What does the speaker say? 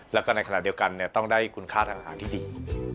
แล้วก็ในขณะเดียวกันต้องได้คุณค่าทางอาหารที่ดี